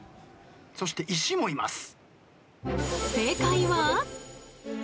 そして「石」もいます。